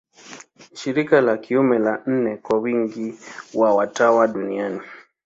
Ni shirika la kiume la nne kwa wingi wa watawa duniani.